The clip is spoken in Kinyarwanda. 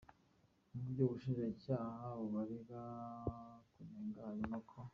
Mubyo ubushinjacyaha bubarega kunenga harimo ko: